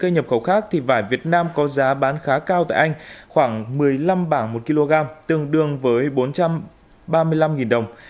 nhập khẩu khác thì vải việt nam có giá bán khá cao tại anh khoảng một mươi năm bảng một kg tương đương với bốn trăm ba mươi năm đồng